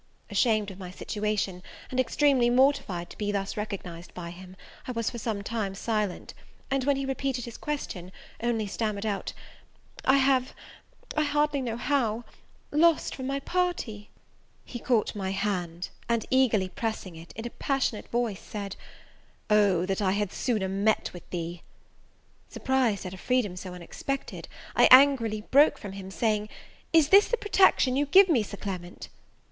Ashamed of my situation, and extremely mortified to be thus recognized by him, I was for some time silent; and when he repeated his question, only stammered out, "I have, I hardly know how, lost from my party " He caught my hand, and eagerly pressing it, in a passionate voice said, "O that I had sooner met with thee!" Surprised at a freedom so unexpected, I angrily broke from him, saying, "Is this the protection you give me, Sir Clement?"